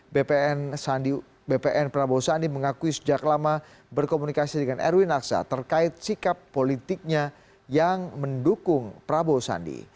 bpn prabowo sandi mengakui sejak lama berkomunikasi dengan erwin aksa terkait sikap politiknya yang mendukung prabowo sandi